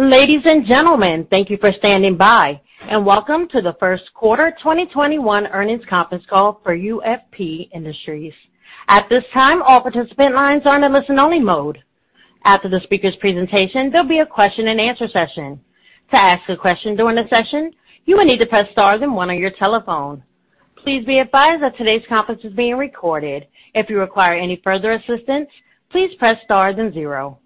Ladies and gentlemen, thank you for standing by and welcome to the First Quarter 2021 Earnings Conference Call for UFP Industries. At this time, all participant lines are in listen only mode. After the speaker's presentation, there will be a question-and-answer session. To ask a question during the session, you will need to press star then one on your telephone. Please be advised that today's conference is being recorded. If you require any further assistance, please press star then zero.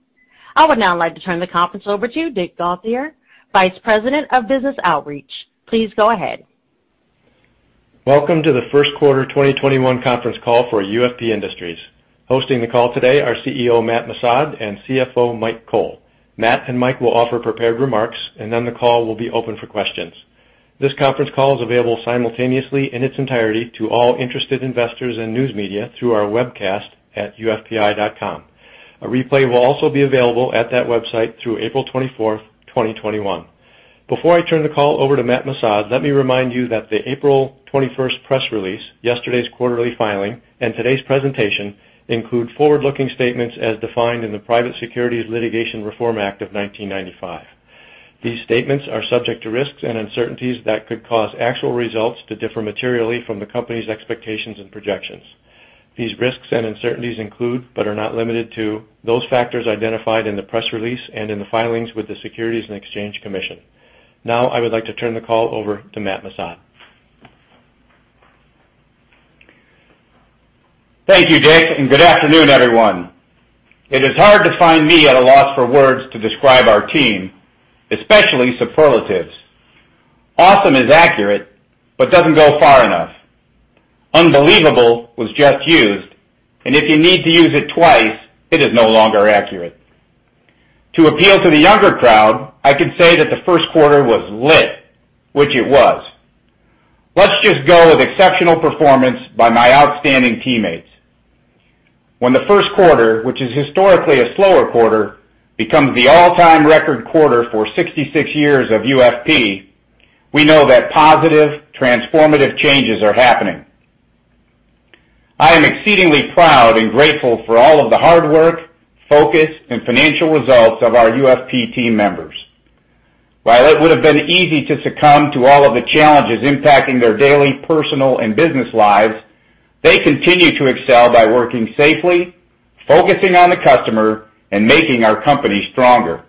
I would now like to turn the conference over to Dick Gauthier, Vice President of Business Outreach. Please go ahead. Welcome to the First Quarter 2021 Conference Call for UFP Industries. Hosting the call today are CEO Matt Missad and CFO Mike Cole. Matt and Mike will offer prepared remarks, and then the call will be open for questions. This conference call is available simultaneously in its entirety to all interested investors and news media through our webcast at ufpi.com. A replay will also be available at that website through April 24th, 2021. Before I turn the call over to Matt Missad, let me remind you that the April 21st press release, yesterday's quarterly filing, and today's presentation include forward-looking statements as defined in the Private Securities Litigation Reform Act of 1995. These statements are subject to risks and uncertainties that could cause actual results to differ materially from the company's expectations and projections. These risks and uncertainties include, but are not limited to, those factors identified in the press release and in the filings with the Securities and Exchange Commission. Now, I would like to turn the call over to Matt Missad. Thank you, Dick, and good afternoon, everyone. It is hard to find me at a loss for words to describe our team, especially superlatives. Awesome is accurate, but doesn't go far enough. Unbelievable was just used, and if you need to use it twice, it is no longer accurate. To appeal to the younger crowd, I can say that the first quarter was lit, which it was. Let's just go with exceptional performance by my outstanding teammates. When the first quarter, which is historically a slower quarter, becomes the all-time record quarter for 66 years of UFP, we know that positive, transformative changes are happening. I am exceedingly proud and grateful for all of the hard work, focus, and financial results of our UFP team members. While it would've been easy to succumb to all of the challenges impacting their daily personal and business lives, they continue to excel by working safely, focusing on the customer, and making our company stronger.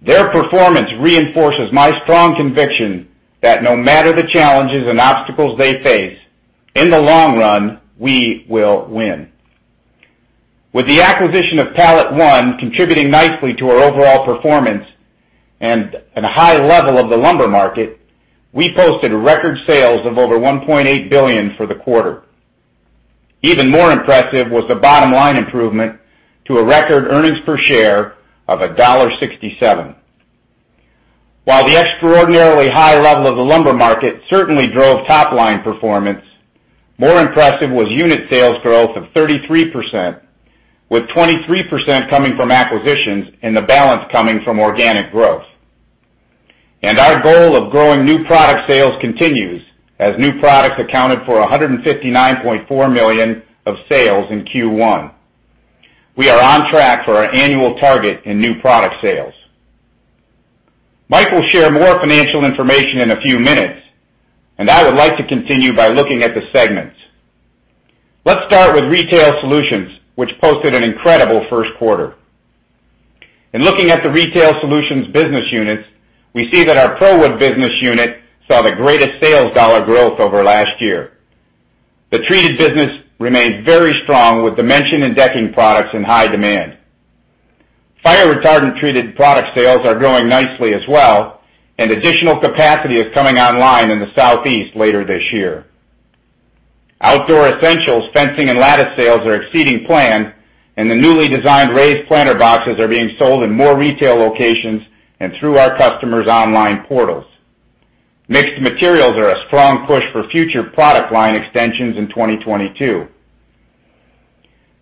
Their performance reinforces my strong conviction that no matter the challenges and obstacles they face, in the long run, we will win. With the acquisition of PalletOne contributing nicely to our overall performance and the high level of the lumber market, we posted record sales of over $1.8 billion for the quarter. Even more impressive was the bottom line improvement to a record earnings per share of $1.67. While the extraordinarily high level of the lumber market certainly drove top-line performance, more impressive was unit sales growth of 33%, with 23% coming from acquisitions and the balance coming from organic growth. Our goal of growing new product sales continues as new products accounted for $159.4 million of sales in Q1. We are on track for our annual target in new product sales. Mike will share more financial information in a few minutes, and I would like to continue by looking at the segments. Let's start with Retail Solutions, which posted an incredible first quarter. In looking at the Retail Solutions business units, we see that our ProWood business unit saw the greatest sales dollar growth over last year. The treated business remained very strong with dimension and decking products in high demand. Fire-retardant treated product sales are growing nicely as well, and additional capacity is coming online in the Southeast later this year. Outdoor Essentials fencing and lattice sales are exceeding plan, and the newly designed raised planter boxes are being sold in more retail locations and through our customers' online portals. Mixed materials are a strong push for future product line extensions in 2022.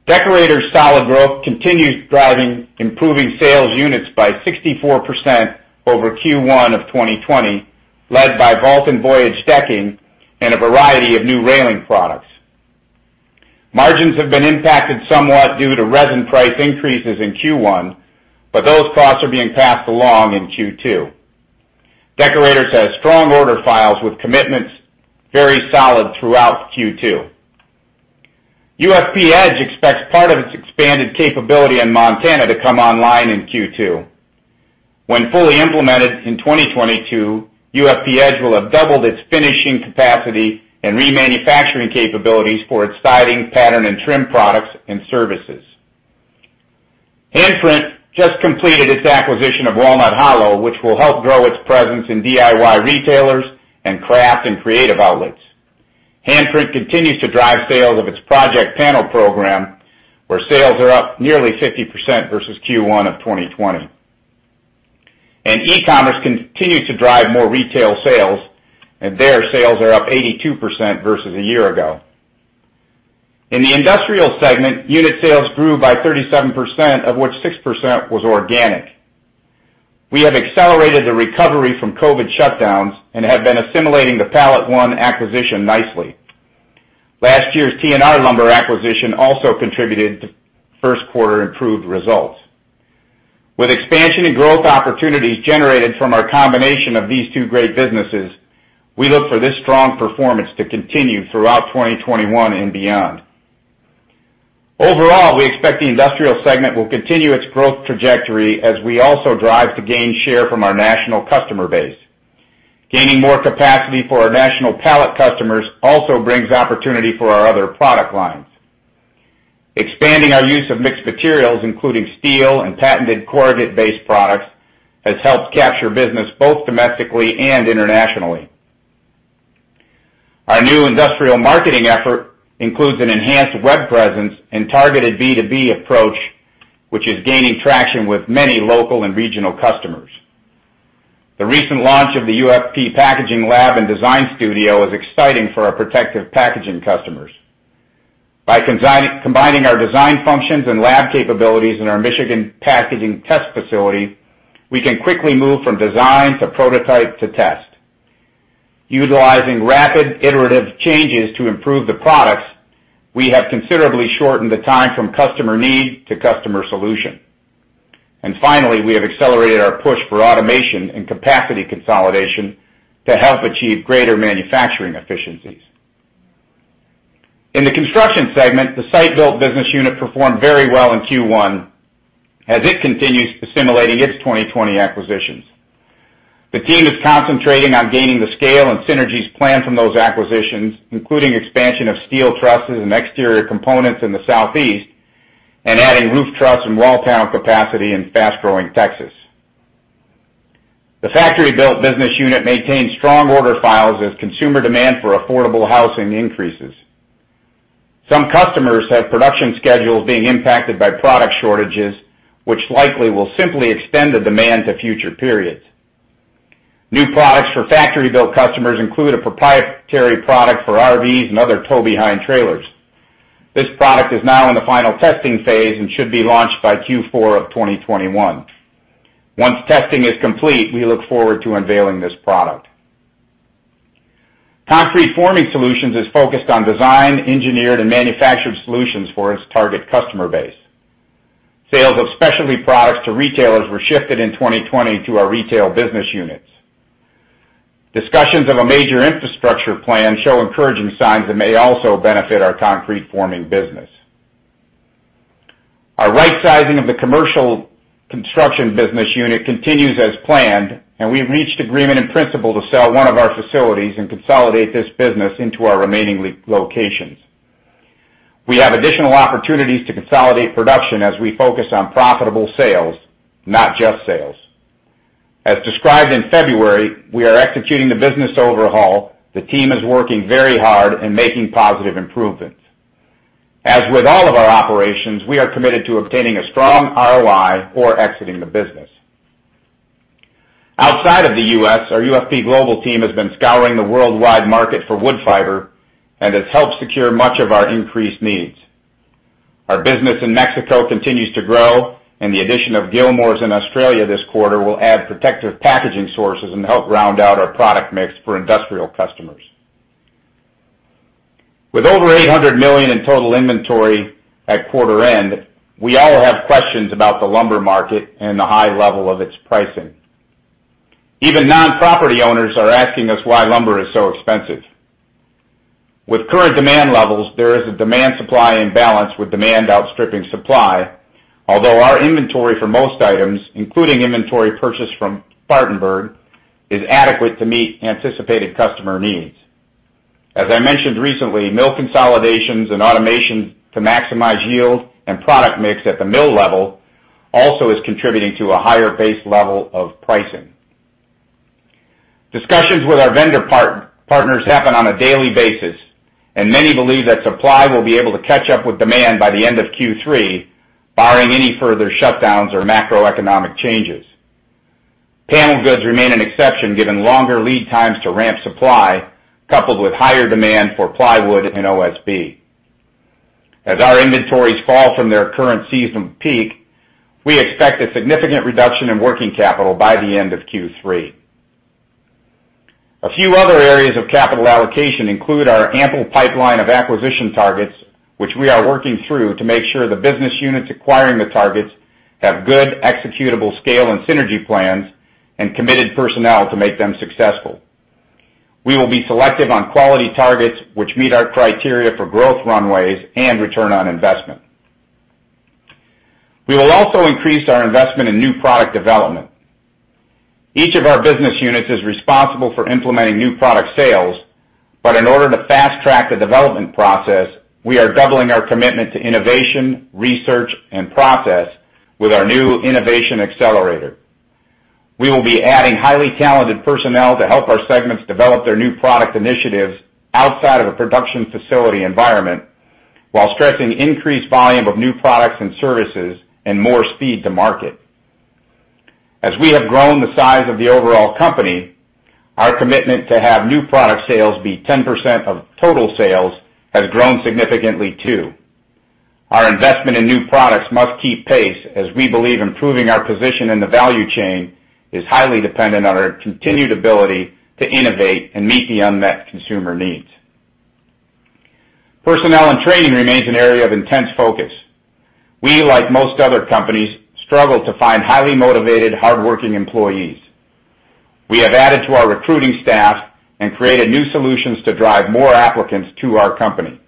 Deckorators' solid growth continues driving improving sales units by 64% over Q1 of 2020, led by Vault and Voyage decking and a variety of new railing products. Margins have been impacted somewhat due to resin price increases in Q1, but those costs are being passed along in Q2. Deckorators has strong order files with commitments very solid throughout Q2. UFP-Edge expects part of its expanded capability in Montana to come online in Q2. When fully implemented in 2022, UFP-Edge will have doubled its finishing capacity and remanufacturing capabilities for its siding, pattern, and trim products and services. Handprint just completed its acquisition of Walnut Hollow, which will help grow its presence in DIY retailers and craft and creative outlets. Handprint continues to drive sales of its project panel program, where sales are up nearly 50% versus Q1 2020. E-commerce continues to drive more retail sales, and there, sales are up 82% versus a year ago. In the industrial segment, unit sales grew by 37%, of which 6% was organic. We have accelerated the recovery from COVID shutdowns and have been assimilating the PalletOne acquisition nicely. Last year's T&R Lumber acquisition also contributed to first quarter improved results. With expansion and growth opportunities generated from our combination of these two great businesses, we look for this strong performance to continue throughout 2021 and beyond. Overall, we expect the industrial segment will continue its growth trajectory as we also drive to gain share from our national customer base. Gaining more capacity for our national pallet customers also brings opportunity for our other product lines. Expanding our use of mixed materials, including steel and patented corrugate-based products, has helped capture business both domestically and internationally. Our new industrial marketing effort includes an enhanced web presence and targeted B2B approach, which is gaining traction with many local and regional customers. The recent launch of the UFP Packaging Lab and Design Studio is exciting for our protective packaging customers. By combining our design functions and lab capabilities in our Michigan packaging test facility, we can quickly move from design to prototype to test. Utilizing rapid iterative changes to improve the products, we have considerably shortened the time from customer need to customer solution. Finally, we have accelerated our push for automation and capacity consolidation to help achieve greater manufacturing efficiencies. In the construction segment, the site build business unit performed very well in Q1 as it continues assimilating its 2020 acquisitions. The team is concentrating on gaining the scale and synergies planned from those acquisitions, including expansion of steel trusses and exterior components in the Southeast, and adding roof truss and wall panel capacity in fast-growing Texas. The factory-built business unit maintains strong order files as consumer demand for affordable housing increases. Some customers have production schedules being impacted by product shortages, which likely will simply extend the demand to future periods. New products for factory-built customers include a proprietary product for RVs and other tow-behind trailers. This product is now in the final testing phase and should be launched by Q4 of 2021. Once testing is complete, we look forward to unveiling this product. Concrete Forming Solutions is focused on design, engineered, and manufactured solutions for its target customer base. Sales of specialty products to retailers were shifted in 2020 to our retail business units. Discussions of a major infrastructure plan show encouraging signs and may also benefit our concrete forming business. Our right-sizing of the commercial construction business unit continues as planned, and we have reached agreement in principle to sell one of our facilities and consolidate this business into our remaining locations. We have additional opportunities to consolidate production as we focus on profitable sales, not just sales. As described in February, we are executing the business overhaul. The team is working very hard and making positive improvements. As with all of our operations, we are committed to obtaining a strong ROI or exiting the business. Outside of the U.S., our UFP global team has been scouring the worldwide market for wood fiber and has helped secure much of our increased needs. Our business in Mexico continues to grow, and the addition of Gilmores in Australia this quarter will add protective packaging sources and help round out our product mix for industrial customers. With over $800 million in total inventory at quarter end, we all have questions about the lumber market and the high level of its pricing. Even non-property owners are asking us why lumber is so expensive. With current demand levels, there is a demand-supply imbalance, with demand outstripping supply. Although our inventory for most items, including inventory purchased from Spartanburg, is adequate to meet anticipated customer needs. As I mentioned recently, mill consolidations and automation to maximize yield and product mix at the mill level also is contributing to a higher base level of pricing. Discussions with our vendor partners happen on a daily basis, and many believe that supply will be able to catch up with demand by the end of Q3, barring any further shutdowns or macroeconomic changes. Panel goods remain an exception, given longer lead times to ramp supply, coupled with higher demand for plywood and OSB. As our inventories fall from their current season peak, we expect a significant reduction in working capital by the end of Q3. A few other areas of capital allocation include our ample pipeline of acquisition targets, which we are working through to make sure the business units acquiring the targets have good executable scale and synergy plans and committed personnel to make them successful. We will be selective on quality targets which meet our criteria for growth runways and return on investment. We will also increase our investment in new product development. Each of our business units is responsible for implementing new product sales, but in order to fast-track the development process, we are doubling our commitment to innovation, research, and process with our new innovation accelerator. We will be adding highly talented personnel to help our segments develop their new product initiatives outside of a production facility environment while stressing increased volume of new products and services and more speed to market. As we have grown the size of the overall company, our commitment to have new product sales be 10% of total sales has grown significantly, too. Our investment in new products must keep pace, as we believe improving our position in the value chain is highly dependent on our continued ability to innovate and meet the unmet consumer needs. Personnel and training remains an area of intense focus. We, like most other companies, struggle to find highly motivated, hardworking employees. We have added to our recruiting staff and created new solutions to drive more applicants to our company.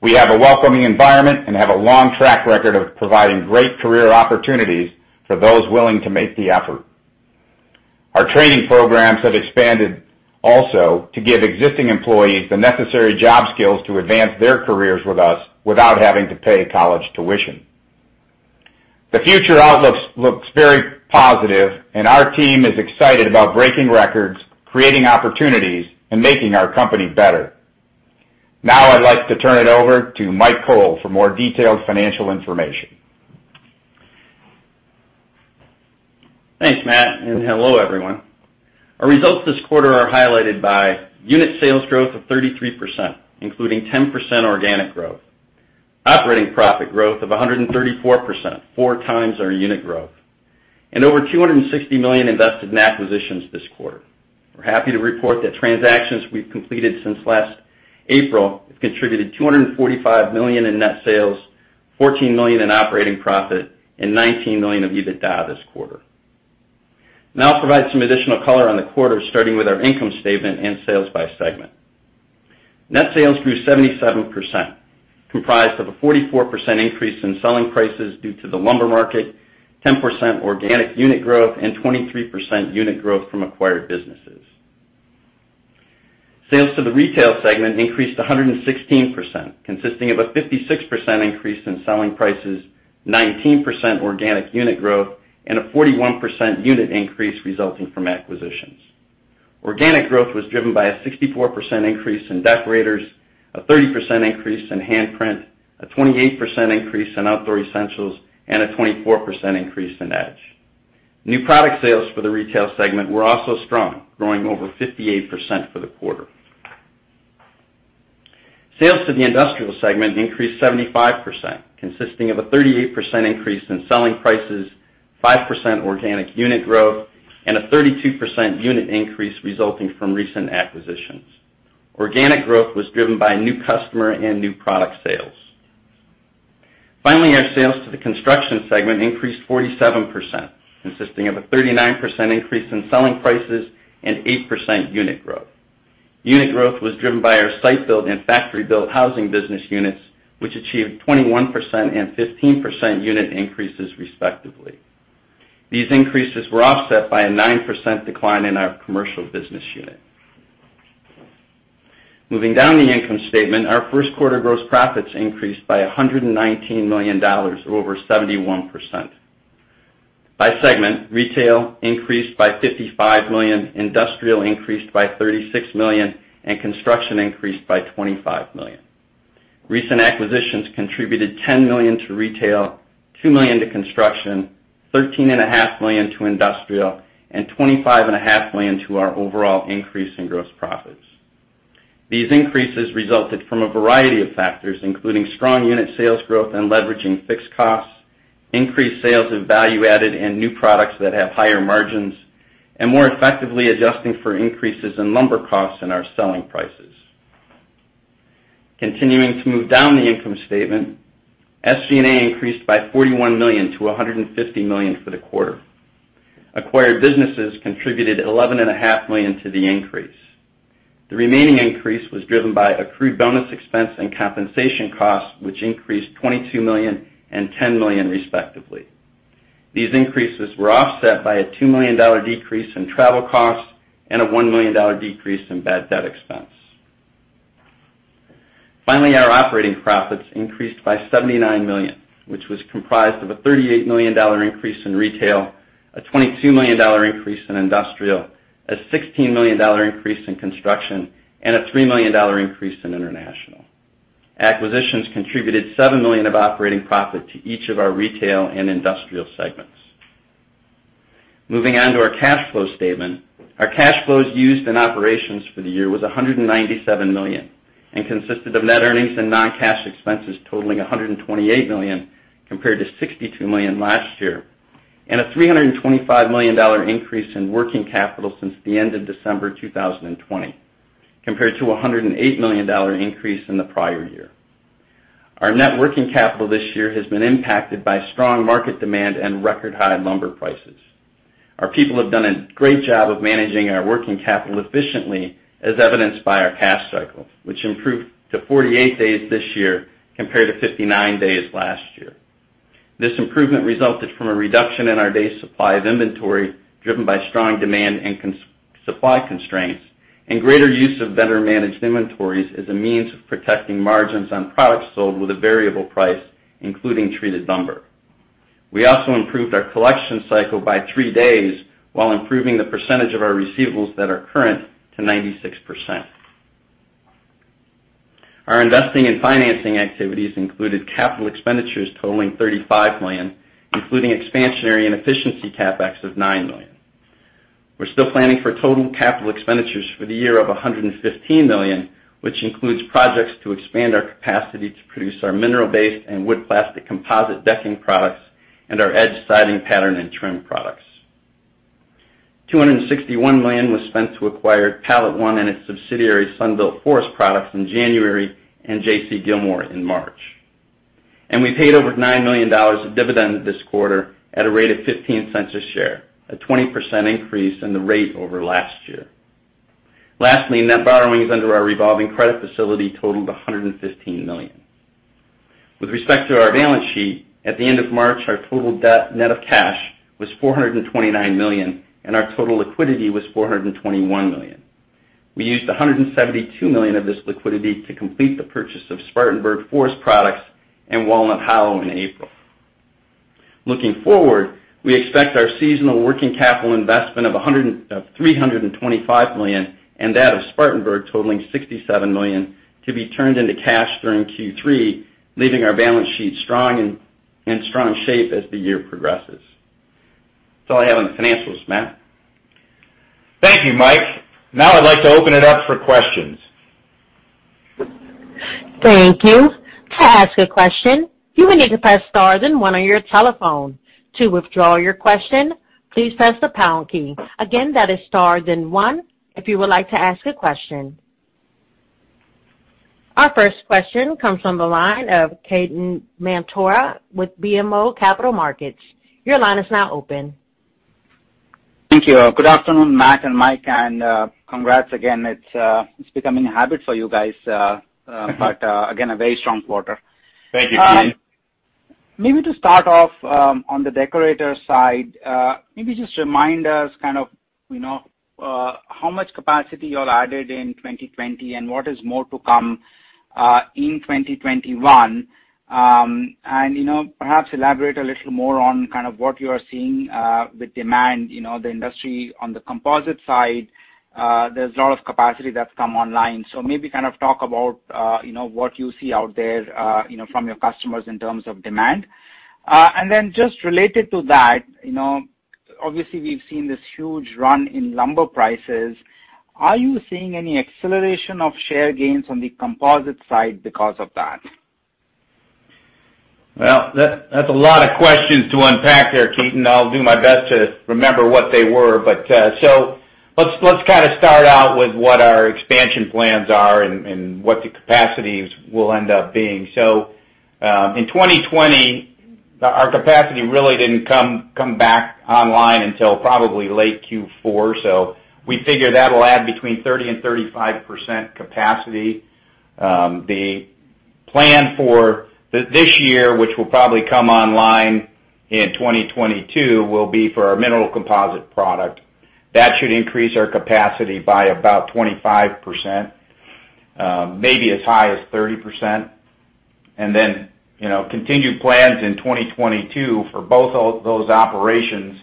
We have a welcoming environment and have a long track record of providing great career opportunities for those willing to make the effort. Our training programs have expanded also to give existing employees the necessary job skills to advance their careers with us without having to pay college tuition. The future outlook looks very positive, and our team is excited about breaking records, creating opportunities, and making our company better. Now I'd like to turn it over to Mike Cole for more detailed financial information. Thanks, Matt, and hello, everyone. Our results this quarter are highlighted by unit sales growth of 33%, including 10% organic growth, operating profit growth of 134%, four times our unit growth, and over $260 million invested in acquisitions this quarter. We're happy to report that transactions we've completed since last April have contributed $245 million in net sales, $14 million in operating profit, and $19 million of EBITDA this quarter. I'll provide some additional color on the quarter, starting with our income statement and sales by segment. Net sales grew 77%, comprised of a 44% increase in selling prices due to the lumber market, 10% organic unit growth, and 23% unit growth from acquired businesses. Sales to the retail segment increased 116%, consisting of a 56% increase in selling prices, 19% organic unit growth, and a 41% unit increase resulting from acquisitions. Organic growth was driven by a 64% increase in Deckorators, a 30% increase in Handprint, a 28% increase in Outdoor Essentials, and a 24% increase in Edge. New product sales for the retail segment were also strong, growing over 58% for the quarter. Sales to the industrial segment increased 75%, consisting of a 38% increase in selling prices, 5% organic unit growth, and a 32% unit increase resulting from recent acquisitions. Organic growth was driven by new customer and new product sales. Our sales to the construction segment increased 47%, consisting of a 39% increase in selling prices and 8% unit growth. Unit growth was driven by our site build and factory build housing business units, which achieved 21% and 15% unit increases respectively. These increases were offset by a 9% decline in our commercial business unit. Moving down the income statement, our first quarter gross profits increased by $119 million or over 71%. By segment, retail increased by $55 million, industrial increased by $36 million, and construction increased by $25 million. Recent acquisitions contributed $10 million to retail, $2 million to construction, $13.5 million to industrial, and $25.5 million to our overall increase in gross profits. These increases resulted from a variety of factors, including strong unit sales growth and leveraging fixed costs, increased sales of value-added and new products that have higher margins, and more effectively adjusting for increases in lumber costs and our selling prices. Continuing to move down the income statement, SG&A increased by $41 million to $150 million for the quarter. Acquired businesses contributed $11.5 million to the increase. The remaining increase was driven by accrued bonus expense and compensation costs, which increased $22 million and $10 million respectively. These increases were offset by a $2 million decrease in travel costs and a $1 million decrease in bad debt expense. Finally, our operating profits increased by $79 million, which was comprised of a $38 million increase in retail, a $22 million increase in industrial, a $16 million increase in construction, and a $3 million increase in international. Acquisitions contributed $7 million of operating profit to each of our retail and industrial segments. Moving on to our cash flow statement. Our cash flows used in operations for the year was $197 million and consisted of net earnings and non-cash expenses totaling $128 million compared to $62 million last year, and a $325 million increase in working capital since the end of December 2020, compared to $108 million increase in the prior year. Our net working capital this year has been impacted by strong market demand and record-high lumber prices. Our people have done a great job of managing our working capital efficiently, as evidenced by our cash cycle, which improved to 48 days this year compared to 59 days last year. This improvement resulted from a reduction in our days' supply of inventory, driven by strong demand and supply constraints, and greater use of better-managed inventories as a means of protecting margins on products sold with a variable price, including treated lumber. We also improved our collection cycle by three days while improving the percentage of our receivables that are current to 96%. Our investing in financing activities included capital expenditures totaling $35 million, including expansionary and efficiency CapEx of $9 million. We're still planning for total capital expenditures for the year of $115 million, which includes projects to expand our capacity to produce our mineral-based and wood plastic composite decking products and our UFP-Edge siding pattern and trim products. $261 million was spent to acquire PalletOne and its subsidiary, Sunbelt Forest Products, in January and J.C. Gilmore in March. We paid over $9 million of dividend this quarter at a rate of $0.15 a share, a 20% increase in the rate over last year. Lastly, net borrowings under our revolving credit facility totaled $115 million. With respect to our balance sheet, at the end of March, our total debt net of cash was $429 million, and our total liquidity was $421 million. We used $172 million of this liquidity to complete the purchase of Spartanburg Forest Products and Walnut Hollow in April. Looking forward, we expect our seasonal working capital investment of $325 million and that of Spartanburg totaling $67 million to be turned into cash during Q3, leaving our balance sheet strong and in strong shape as the year progresses. That's all I have on the financials, Matt. Thank you, Mike. Now I'd like to open it up for questions. Thank you. To ask a question, you may need to press star then one on your telephone. To withdraw your question, please press the pound key. Again, that is star then one if you would like to ask a question. Our first question comes from the line of Ketan Mamtora with BMO Capital Markets. Your line is now open. Thank you. Good afternoon, Matt and Mike, and congrats again. It's becoming a habit for you guys. Again, a very strong quarter. Thank you, Ketan. Maybe to start off on the Deckorators side, maybe just remind us kind of how much capacity you all added in 2020 and what is more to come in 2021. Perhaps elaborate a little more on kind of what you are seeing with demand. The industry on the composite side, there's a lot of capacity that's come online. Maybe kind of talk about what you see out there from your customers in terms of demand. Just related to that, obviously we've seen this huge run in lumber prices. Are you seeing any acceleration of share gains on the composite side because of that? Well, that's a lot of questions to unpack there, Ketan. I'll do my best to remember what they were. Let's kind of start out with what our expansion plans are and what the capacities will end up being. In 2020, our capacity really didn't come back online until probably late Q4. We figure that'll add between 30% and 35% capacity. The plan for this year, which will probably come online in 2022, will be for our mineral composite product. That should increase our capacity by about 25%, maybe as high as 30%. Continued plans in 2022 for both those operations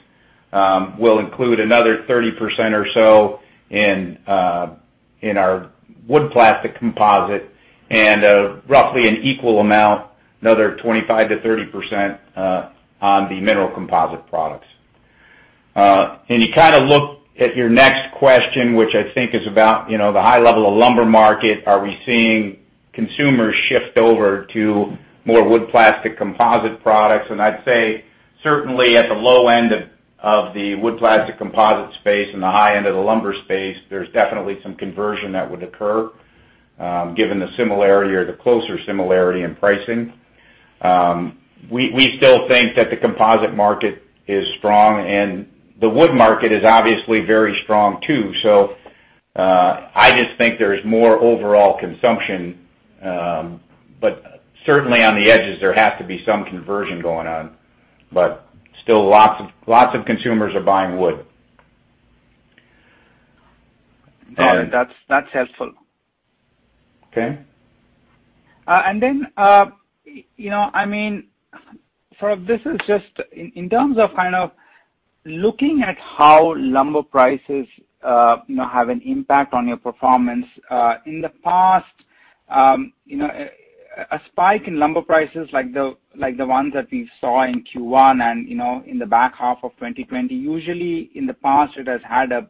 will include another 30% or so in our wood plastic composite and roughly an equal amount, another 25%-30% on the mineral composite products. You kind of look at your next question, which I think is about the high level of lumber market. Are we seeing consumers shift over to more wood plastic composite products? I'd say certainly at the low end of the wood plastic composite space and the high end of the lumber space, there's definitely some conversion that would occur given the similarity or the closer similarity in pricing. We still think that the composite market is strong, and the wood market is obviously very strong, too. I just think there's more overall consumption. Certainly on the edges, there has to be some conversion going on, but still lots of consumers are buying wood. That's helpful. Okay. This is just in terms of kind of looking at how lumber prices have an impact on your performance. In the past, a spike in lumber prices like the ones that we saw in Q1 and in the back half of 2020, usually in the past, it has had a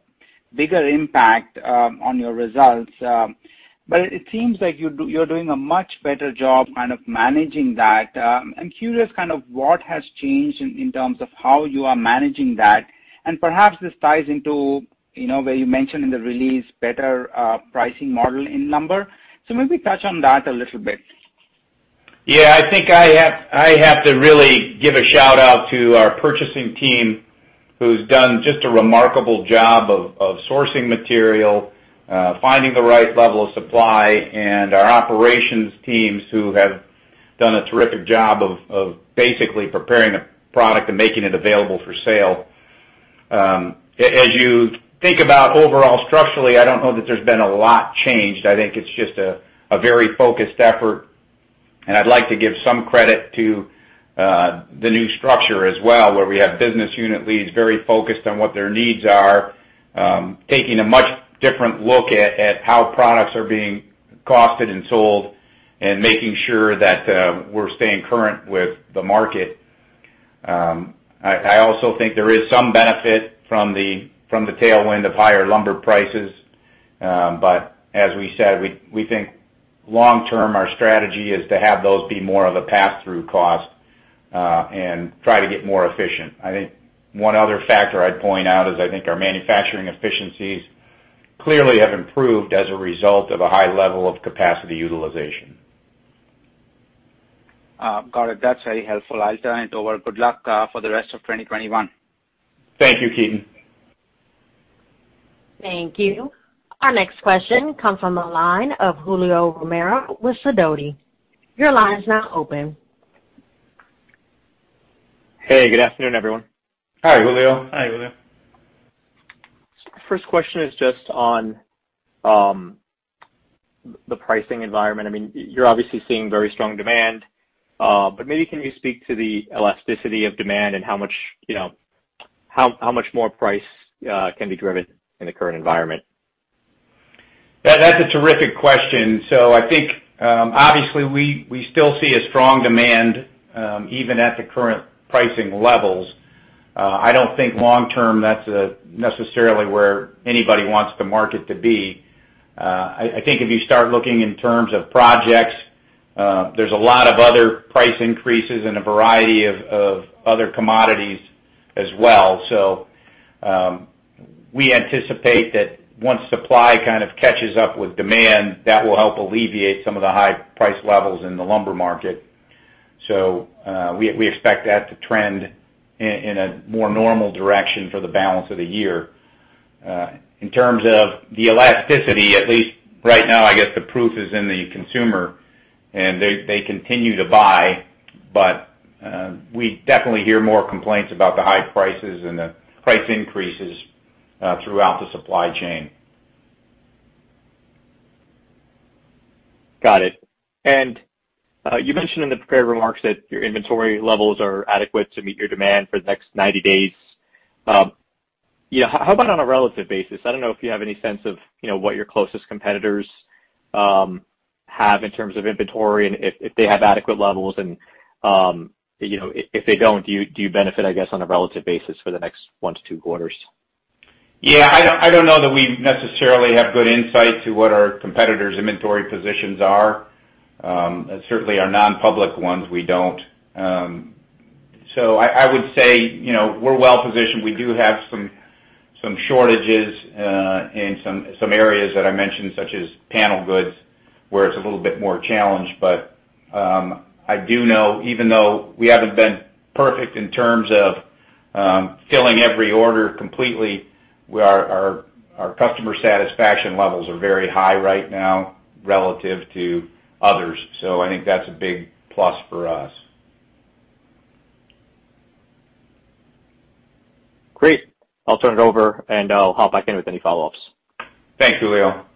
bigger impact on your results. It seems like you're doing a much better job kind of managing that. I'm curious kind of what has changed in terms of how you are managing that. Perhaps this ties into where you mentioned in the release better pricing model in lumber. Maybe touch on that a little bit. Yeah, I think I have to really give a shout-out to our purchasing team, who's done just a remarkable job of sourcing material, finding the right level of supply, and our operations teams who have done a terrific job of basically preparing a product and making it available for sale. As you think about overall structurally, I don't know that there's been a lot changed. I think it's just a very focused effort, and I'd like to give some credit to the new structure as well, where we have business unit leads very focused on what their needs are, taking a much different look at how products are being costed and sold, and making sure that we're staying current with the market. I also think there is some benefit from the tailwind of higher lumber prices. As we said, we think long-term, our strategy is to have those be more of a pass-through cost and try to get more efficient. I think one other factor I'd point out is I think our manufacturing efficiencies clearly have improved as a result of a high level of capacity utilization. Got it. That's very helpful. I'll turn it over. Good luck for the rest of 2021. Thank you, Ketan. Thank you. Our next question comes from the line of Julio Romero with Sidoti. Your line is now open. Hey, good afternoon, everyone. Hi, Julio. Hi, Julio. First question is just on the pricing environment. You're obviously seeing very strong demand, but maybe can you speak to the elasticity of demand and how much more price can be driven in the current environment? That's a terrific question. I think, obviously, we still see a strong demand, even at the current pricing levels. I don't think long-term that's necessarily where anybody wants the market to be. I think if you start looking in terms of projects, there's a lot of other price increases in a variety of other commodities as well. We anticipate that once supply kind of catches up with demand, that will help alleviate some of the high price levels in the lumber market. We expect that to trend in a more normal direction for the balance of the year. In terms of the elasticity, at least right now, I guess the proof is in the consumer, and they continue to buy, but we definitely hear more complaints about the high prices and the price increases throughout the supply chain. Got it. You mentioned in the prepared remarks that your inventory levels are adequate to meet your demand for the next 90 days. How about on a relative basis? I don't know if you have any sense of what your closest competitors have in terms of inventory, and if they have adequate levels and, if they don't, do you benefit, I guess, on a relative basis for the next one to two quarters? Yeah. I don't know that we necessarily have good insight to what our competitors' inventory positions are. Certainly our non-public ones, we don't. I would say, we're well-positioned. We do have some shortages in some areas that I mentioned, such as panel goods, where it's a little bit more challenged. I do know even though we haven't been perfect in terms of filling every order completely, our customer satisfaction levels are very high right now relative to others. I think that's a big plus for us. Great. I'll turn it over, and I'll hop back in with any follow-ups. Thanks, Julio.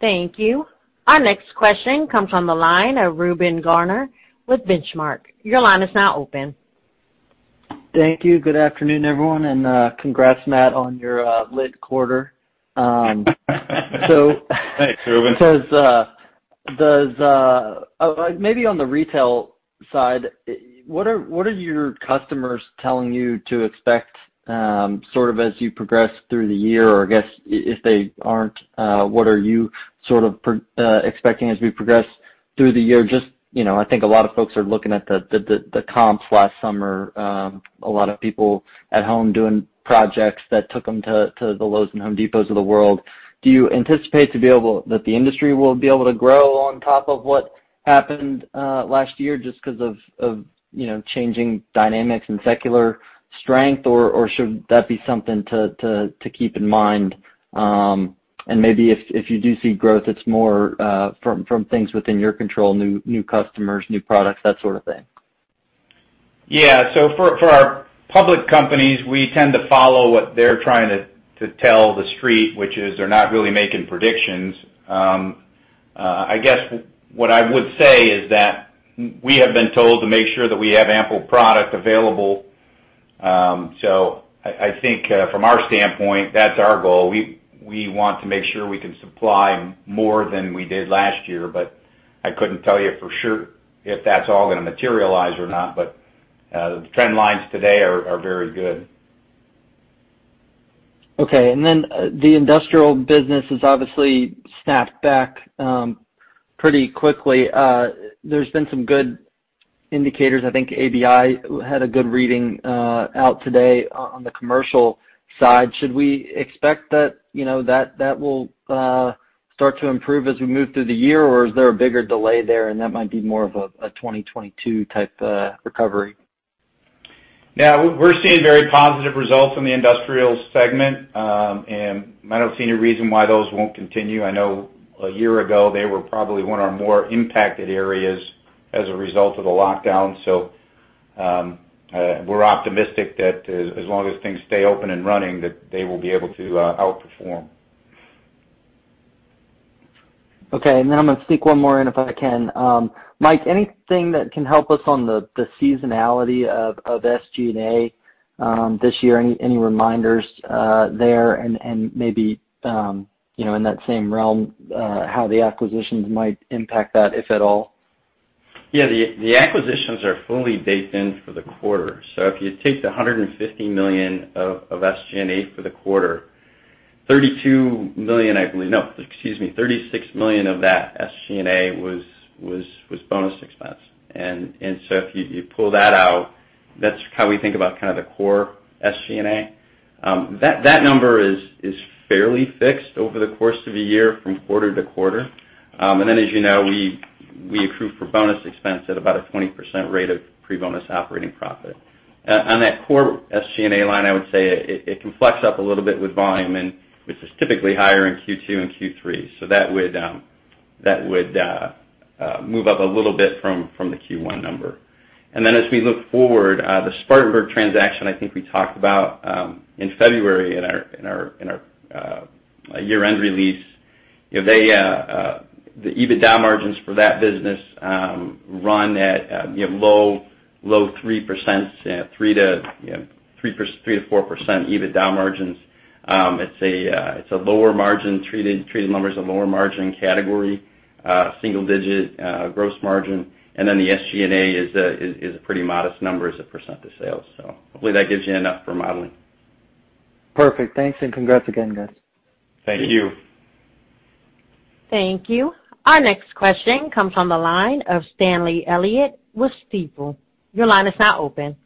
Thank you. Our next question comes on the line of Reuben Garner with Benchmark. Your line is now open. Thank you. Good afternoon, everyone, and congrats, Matt, on your lit quarter. Thanks, Reuben. Maybe on the retail side, what are your customers telling you to expect sort of as you progress through the year? I guess, if they aren't, what are you sort of expecting as we progress through the year? Just, I think a lot of folks are looking at the comps last summer. A lot of people at home doing projects that took them to the Lowe's and Home Depot of the world. Do you anticipate that the industry will be able to grow on top of what happened last year just because of changing dynamics and secular strength, or should that be something to keep in mind? Maybe if you do see growth, it's more from things within your control, new customers, new products, that sort of thing. Yeah. For our public companies, we tend to follow what they're trying to tell the street, which is they're not really making predictions. I guess what I would say is that we have been told to make sure that we have ample product available. I think from our standpoint, that's our goal. We want to make sure we can supply more than we did last year, but I couldn't tell you for sure if that's all going to materialize or not. The trend lines today are very good. Okay. Then the industrial business has obviously snapped back pretty quickly. There's been some good indicators. I think ABI had a good reading out today on the commercial side. Should we expect that will start to improve as we move through the year, or is there a bigger delay there and that might be more of a 2022 type recovery? No, we're seeing very positive results in the industrial segment. I don't see any reason why those won't continue. I know a year ago, they were probably one of our more impacted areas as a result of the lockdown. We're optimistic that as long as things stay open and running, that they will be able to outperform. Okay. I'm going to sneak one more in if I can. Mike, anything that can help us on the seasonality of SG&A this year? Any reminders there and maybe, in that same realm, how the acquisitions might impact that, if at all? The acquisitions are fully baked in for the quarter. If you take the $150 million of SG&A for the quarter, $36 million of that SG&A was bonus expense. If you pull that out, that's how we think about kind of the core SG&A. That number is fairly fixed over the course of a year from quarter to quarter. As you know, we accrue for bonus expense at about a 20% rate of pre-bonus operating profit. On that core SG&A line, I would say it can flex up a little bit with volume, which is typically higher in Q2 and Q3. That would move up a little bit from the Q1 number. As we look forward, the Spartanburg transaction, I think we talked about, in February in our year-end release. The EBITDA margins for that business run at low 3%, 3%-4% EBITDA margins. Treated lumber is a lower margin category, single digit gross margin. The SG&A is a pretty modest number as a percent of sales. Hopefully that gives you enough for modeling. Perfect. Thanks, and congrats again, guys. Thank you. Thank you. Our next question comes on the line of Stanley Elliott with Stifel. Your line is now open.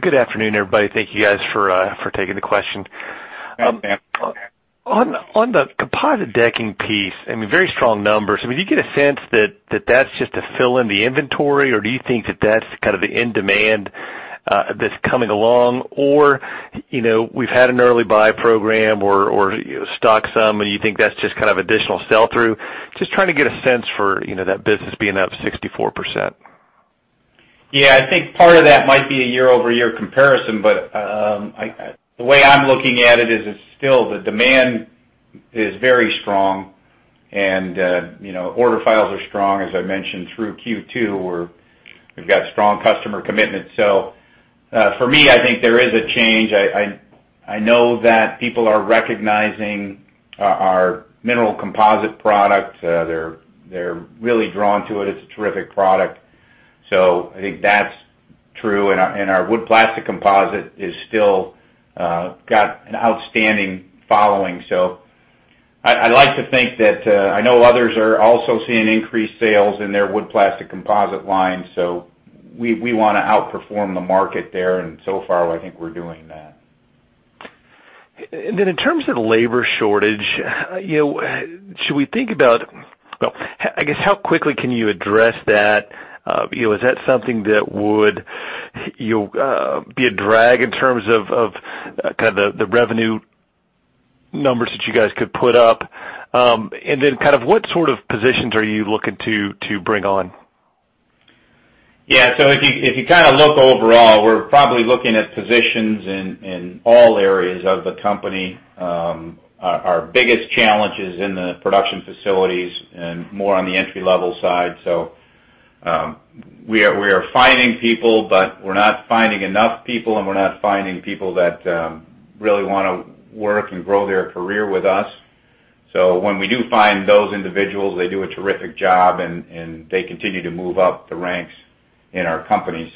Good afternoon, everybody. Thank you guys for taking the question. Yeah. On the composite decking piece, very strong numbers. Do you get a sense that that's just to fill in the inventory, or do you think that that's kind of the end demand that's coming along? We've had an early buy program or stock some, and you think that's just kind of additional sell-through. Just trying to get a sense for that business being up 64%. Yeah, I think part of that might be a year-over-year comparison, but the way I'm looking at it is it's still the demand is very strong and order files are strong. As I mentioned through Q2, we've got strong customer commitment. For me, I think there is a change. I know that people are recognizing our mineral composite product. They're really drawn to it. It's a terrific product. I think that's true. Our wood plastic composite is still got an outstanding following. I like to think that, I know others are also seeing increased sales in their wood plastic composite line, so we want to outperform the market there, and so far, I think we're doing that. In terms of labor shortage, should we think about I guess, how quickly can you address that? Is that something that would be a drag in terms of the revenue numbers that you guys could put up? What sort of positions are you looking to bring on? Yeah. If you look overall, we're probably looking at positions in all areas of the company. Our biggest challenge is in the production facilities and more on the entry-level side. We are finding people, but we're not finding enough people, and we're not finding people that really wanna work and grow their career with us. When we do find those individuals, they do a terrific job and they continue to move up the ranks in our company.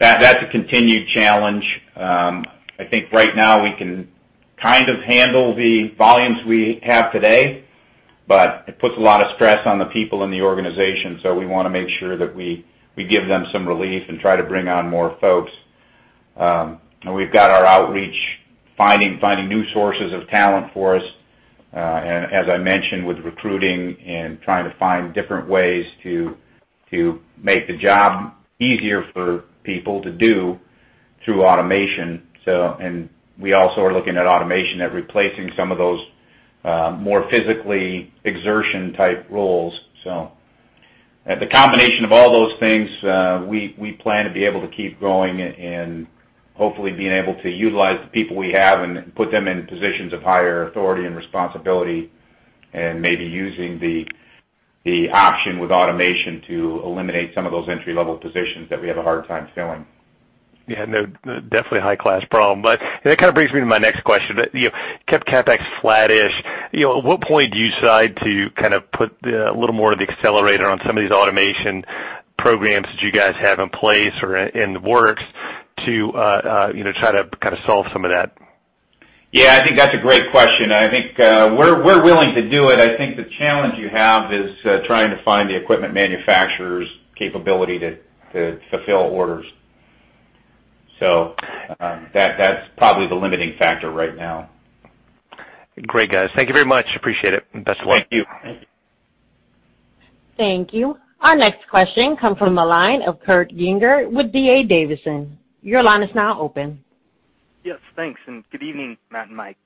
That's a continued challenge. I think right now we can kind of handle the volumes we have today, but it puts a lot of stress on the people in the organization. We wanna make sure that we give them some relief and try to bring on more folks. We've got our outreach, finding new sources of talent for us. As I mentioned, with recruiting and trying to find different ways to make the job easier for people to do through automation. We also are looking at automation at replacing some of those more physically exertion type roles. At the combination of all those things, we plan to be able to keep growing and hopefully being able to utilize the people we have and put them in positions of higher authority and responsibility and maybe using the option with automation to eliminate some of those entry-level positions that we have a hard time filling. Yeah, definitely a high-class problem, but that kind of brings me to my next question. You kept CapEx flat-ish. At what point do you decide to kind of put a little more of the accelerator on some of these automation programs that you guys have in place or in the works to try to solve some of that? Yeah, I think that's a great question. I think we're willing to do it. I think the challenge you have is trying to find the equipment manufacturer's capability to fulfill orders. That's probably the limiting factor right now. Great, guys. Thank you very much. Appreciate it, and best of luck. Thank you. Thank you. Our next question comes from the line of Kurt Yinger with D.A. Davidson. Your line is now open. Yes, thanks, good evening, Matt and Mike.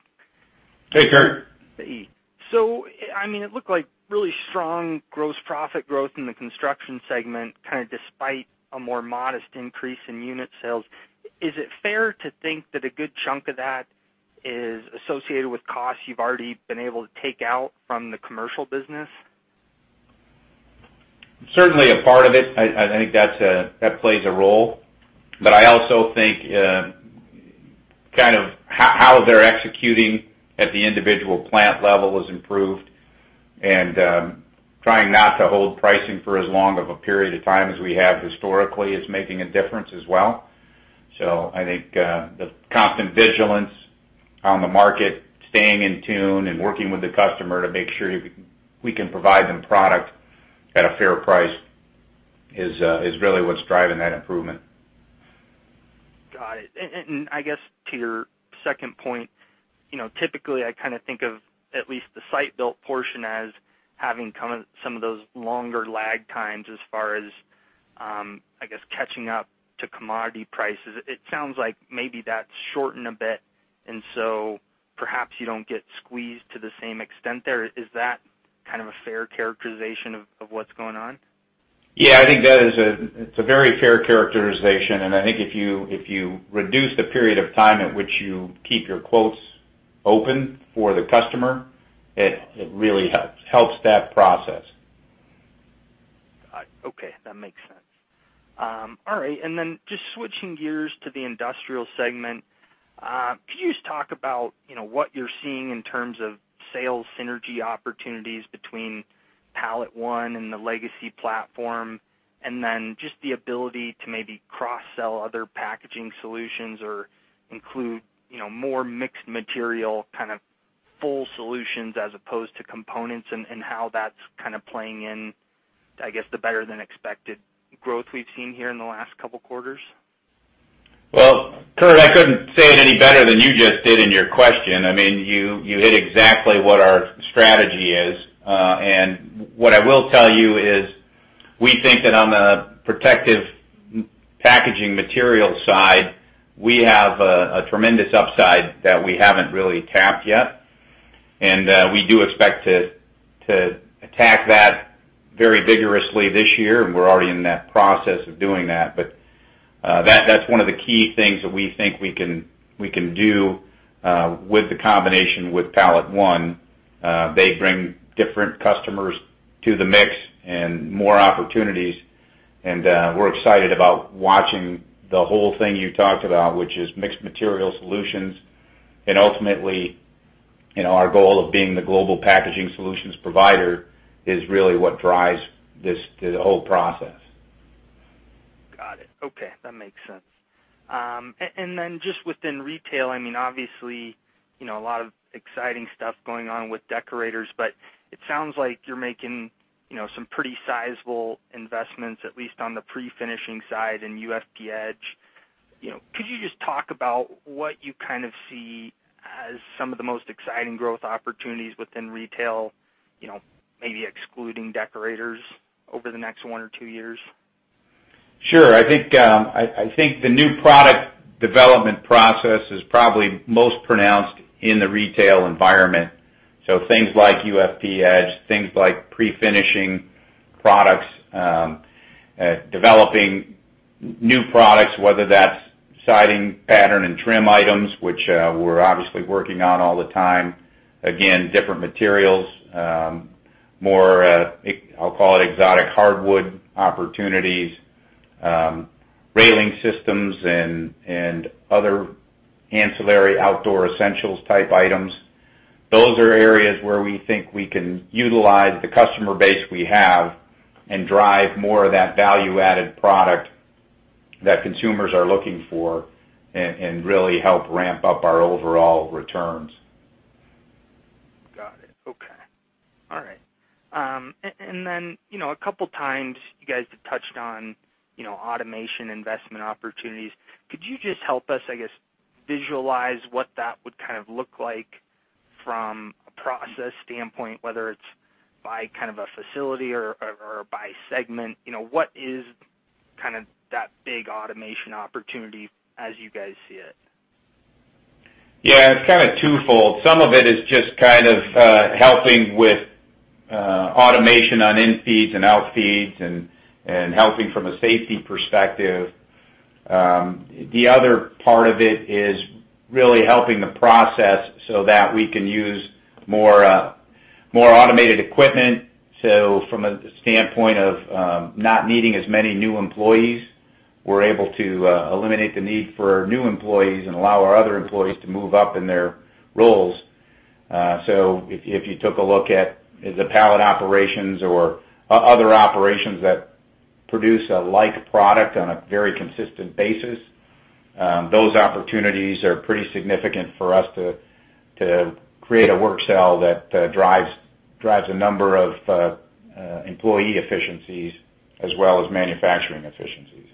Hey, Kurt. Hey. It looked like really strong gross profit growth in the construction segment, kind of despite a more modest increase in unit sales. Is it fair to think that a good chunk of that is associated with costs you've already been able to take out from the commercial business? Certainly a part of it. I think that plays a role, but I also think kind of how they're executing at the individual plant level has improved, and trying not to hold pricing for as long of a period of time as we have historically is making a difference as well. I think the constant vigilance on the market, staying in tune, and working with the customer to make sure we can provide them product at a fair price is really what's driving that improvement. I guess to your second point, typically, I kind of think of at least the site-built portion as having some of those longer lag times as far as catching up to commodity prices. It sounds like maybe that's shortened a bit, so perhaps you don't get squeezed to the same extent there. Is that kind of a fair characterization of what's going on? Yeah, I think that is a very fair characterization. I think if you reduce the period of time at which you keep your quotes open for the customer, it really helps that process. Okay, that makes sense. All right, just switching gears to the industrial segment, could you just talk about what you're seeing in terms of sales synergy opportunities between PalletOne and the legacy platform, and then just the ability to maybe cross-sell other packaging solutions or include more mixed material kind of full solutions as opposed to components, and how that's kind of playing in, I guess, the better than expected growth we've seen here in the last couple of quarters? Well, Kurt, I couldn't say it any better than you just did in your question. You hit exactly what our strategy is. What I will tell you is we think that on the protective packaging material side, we have a tremendous upside that we haven't really tapped yet. We do expect to attack that very vigorously this year, and we're already in that process of doing that. That's one of the key things that we think we can do with the combination with PalletOne. They bring different customers to the mix and more opportunities, and we're excited about watching the whole thing you talked about, which is mixed material solutions. Ultimately our goal of being the global packaging solutions provider is really what drives this whole process. Got it. Okay. That makes sense. Just within retail, obviously a lot of exciting stuff going on with Deckorators, but it sounds like you're making some pretty sizable investments, at least on the pre-finishing side in UFP-Edge. Could you just talk about what you kind of see as some of the most exciting growth opportunities within retail, maybe excluding Deckorators over the next one or two years? Sure. I think the new product development process is probably most pronounced in the retail environment. Things like UFP-Edge, things like pre-finishing products, developing new products, whether that's siding pattern and trim items, which we're obviously working on all the time. Again, different materials, more, I'll call it exotic hardwood opportunities, railing systems, and other ancillary Outdoor Essentials type items. Those are areas where we think we can utilize the customer base we have and drive more of that value-added product that consumers are looking for and really help ramp up our overall returns. Got it. Okay. All right. A couple of times you guys have touched on automation investment opportunities. Could you just help us, I guess, visualize what that would kind of look like from a process standpoint, whether it's by kind of a facility or by segment? What is kind of that big automation opportunity as you guys see it? Yeah, it's kind of twofold. Some of it is just kind of helping with automation on infeeds and outfeeds and helping from a safety perspective. The other part of it is really helping the process so that we can use more automated equipment. From a standpoint of not needing as many new employees, we're able to eliminate the need for new employees and allow our other employees to move up in their roles. If you took a look at the pallet operations or other operations that produce a like product on a very consistent basis, those opportunities are pretty significant for us to create a work cell that drives a number of employee efficiencies as well as manufacturing efficiencies.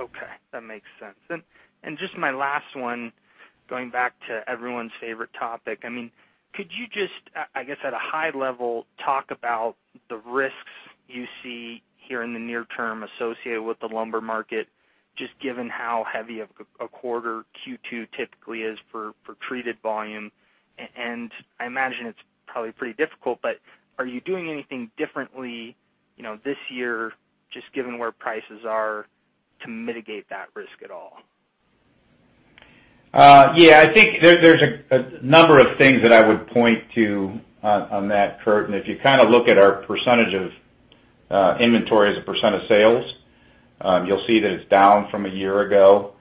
Okay, that makes sense. Just my last one, going back to everyone's favorite topic. Could you just, I guess, at a high level, talk about the risks you see here in the near term associated with the lumber market, just given how heavy a quarter Q2 typically is for treated volume? I imagine it's probably pretty difficult, but are you doing anything differently this year, just given where prices are to mitigate that risk at all? Yeah, I think there's a number of things that I would point to on that, Kurt. If you kind of look at our percentage of inventory as a percent of sales. You'll see that it's down from a year ago.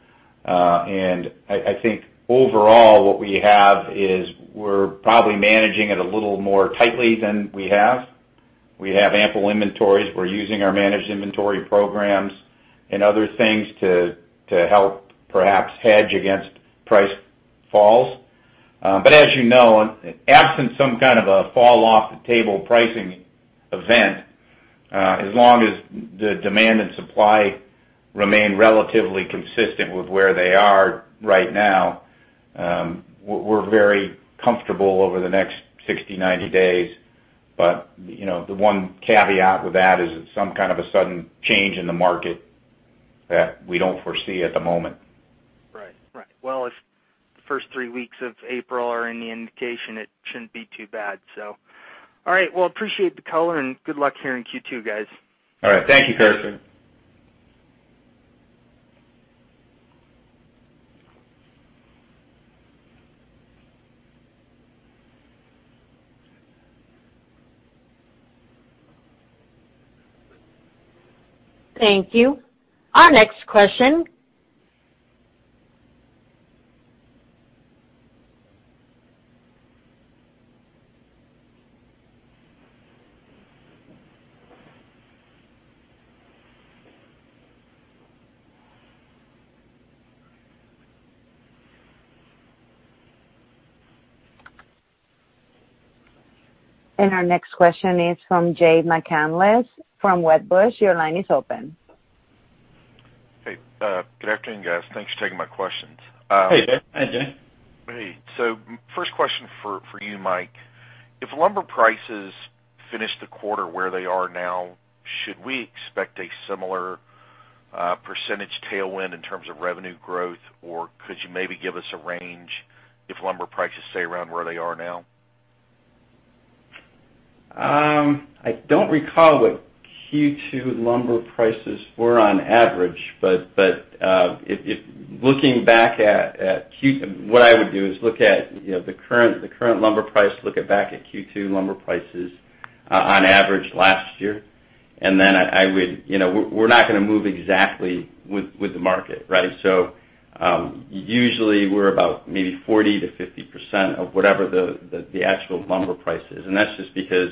I think overall what we have is we're probably managing it a little more tightly than we have. We have ample inventories. We're using our managed inventory programs and other things to help perhaps hedge against price falls. As you know, absent some kind of a fall off the table pricing event, as long as the demand and supply remain relatively consistent with where they are right now, we're very comfortable over the next 60, 90 days. The one caveat with that is some kind of a sudden change in the market that we don't foresee at the moment. Right. Well, if the first three weeks of April are any indication, it shouldn't be too bad. All right, well, appreciate the color and good luck here in Q2, guys. All right. Thank you, Kurt. Thank you. Our next question. Our next question is from Jay McCanless from Wedbush. Your line is open. Hey. Good afternoon, guys. Thanks for taking my questions. Hey, Jay. Hi, Jay. Hey. First question for you, Mike. If lumber prices finish the quarter where they are now, should we expect a similar percentage tailwind in terms of revenue growth? Or could you maybe give us a range if lumber prices stay around where they are now? I don't recall what Q2 lumber prices were on average, but looking back, what I would do is look at the current lumber price, look at back at Q2 lumber prices, on average last year. We're not going to move exactly with the market, right? Usually we're about maybe 40%-50% of whatever the actual lumber price is. That's just because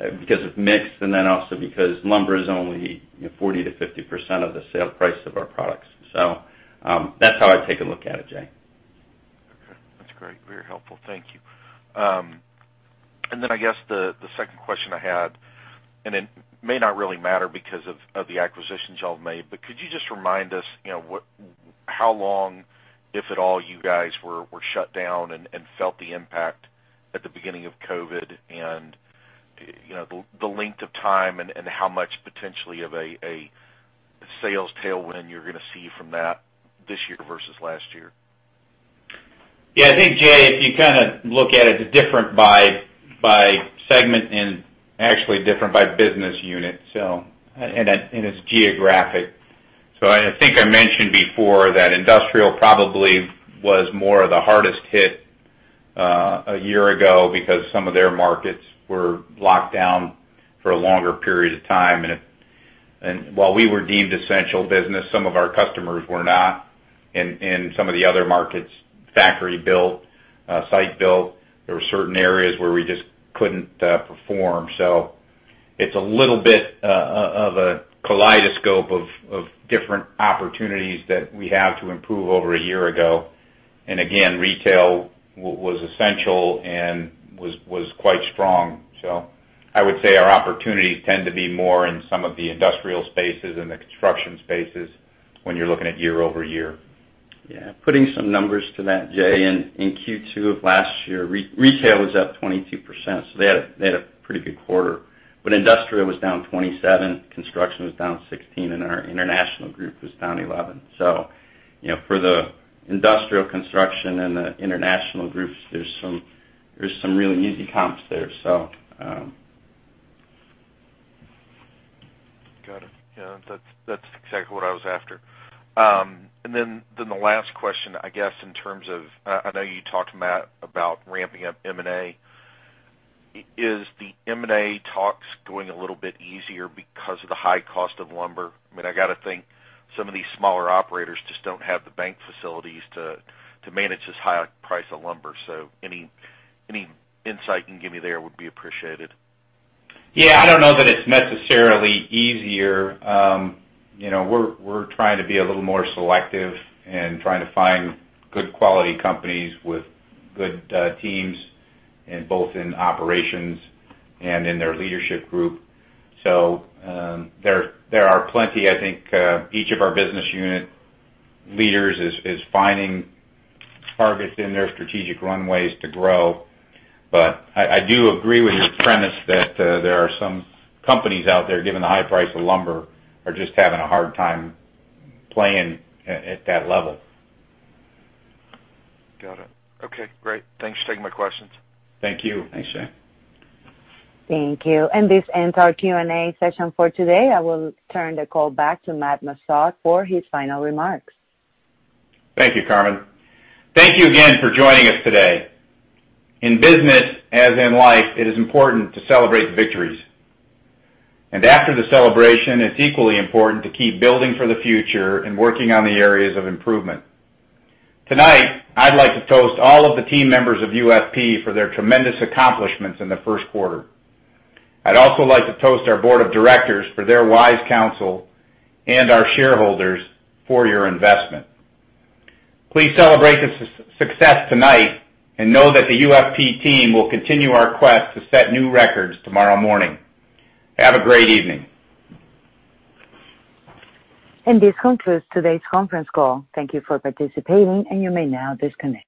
of mix and then also because lumber is only 40%-50% of the sale price of our products. That's how I take a look at it, Jay. Okay. That's great. Very helpful. Thank you. I guess the second question I had, and it may not really matter because of the acquisitions y'all have made, but could you just remind us how long, if at all, you guys were shut down and felt the impact at the beginning of COVID and the length of time and how much potentially of a sales tailwind you're going to see from that this year versus last year? I think, Jay, if you look at it's different by segment and actually different by business unit and it's geographic. I think I mentioned before that industrial probably was more of the hardest hit a year ago because some of their markets were locked down for a longer period of time. While we were deemed essential business, some of our customers were not. In some of the other markets, factory built, site built, there were certain areas where we just couldn't perform. It's a little bit of a kaleidoscope of different opportunities that we have to improve over a year ago. Again, retail was essential and was quite strong. I would say our opportunities tend to be more in some of the industrial spaces and the construction spaces when you're looking at year-over-year. Yeah, putting some numbers to that, Jay, in Q2 of last year, retail was up 22%. They had a pretty good quarter. Industrial was down 27%, construction was down 16%, and our international group was down 11%. For the industrial construction and the international groups, there's some really easy comps there. Got it. Yeah, that's exactly what I was after. The last question, I guess, in terms of, I know you talked, Matt, about ramping up M&A. Is the M&A talks going a little bit easier because of the high cost of lumber? I got to think some of these smaller operators just don't have the bank facilities to manage this high price of lumber. Any insight you can give me there would be appreciated. Yeah, I don't know that it's necessarily easier. We're trying to be a little more selective and trying to find good quality companies with good teams in both in operations and in their leadership group. There are plenty. I think, each of our business unit leaders is finding targets in their strategic runways to grow. I do agree with your premise that there are some companies out there, given the high price of lumber, are just having a hard time playing at that level. Got it. Okay, great. Thanks for taking my questions. Thank you. Thanks, Jay. Thank you. This ends our Q&A session for today. I will turn the call back to Matt Missad for his final remarks. Thank you, Carmen. Thank you again for joining us today. In business, as in life, it is important to celebrate the victories. After the celebration, it's equally important to keep building for the future and working on the areas of improvement. Tonight, I'd like to toast all of the team members of UFP for their tremendous accomplishments in the first quarter. I'd also like to toast our board of directors for their wise counsel and our shareholders for your investment. Please celebrate the success tonight and know that the UFP team will continue our quest to set new records tomorrow morning. Have a great evening. This concludes today's conference call. Thank you for participating, and you may now disconnect.